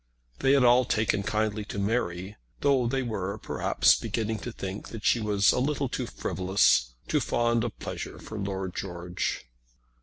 They had all taken kindly to Mary, though they were, perhaps, beginning to think that she was a little too frivolous, too fond of pleasure for Lord George.